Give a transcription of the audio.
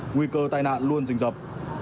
nguy cơ tai nạn luôn dình dập